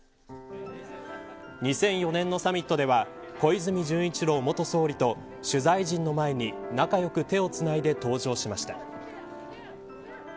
２００４年のサミットでは小泉純一郎元総理と取材陣の前に仲良く手をつないで登場しました。